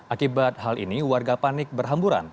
akibat hal ini warga panik berhamburan